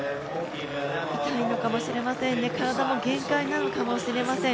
痛いのかもしれませんね、体も限界なのかもしれません。